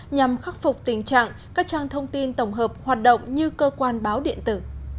nhằm khắc phục tình trạng các trang thông tin tổng hợp hoạt động như cơ quan báo điện tử